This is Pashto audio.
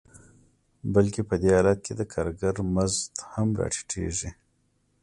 بلکې په دې حالت کې د کارګر مزد هم راټیټېږي